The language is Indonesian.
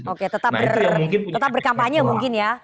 oke tetap berkampanye mungkin ya